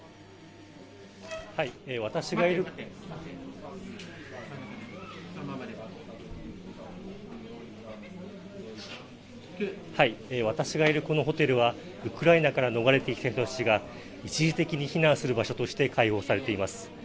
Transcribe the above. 私がいるこのホテルは、ウクライナから逃れてきた人たちが一時的に避難する場所として開放されています。